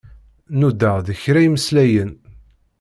Nudaɣ-d kra imslayen.